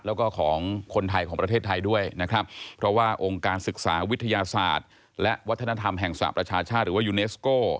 แล้วก็ของคนไทยของประเทศไทยด้วยนะครับเพราะว่าองค์การศึกษาวิทยาศาสตร์และวัฒนธรรมแห่งสหประชาชาติหรือว่ายูเนสโก้